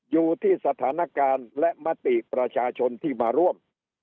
อยู่ที่สถานการณ์และมติประชาชนที่มาร่วม